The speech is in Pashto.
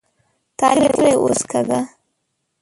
تا ليکلې اوس کږه